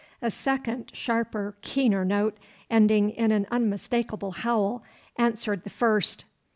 A second sharper, keener note, ending in an unmistakable howl, answered the first.